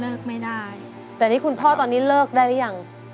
แล้วทำไมคุณพ่อไม่เลิกอะคะ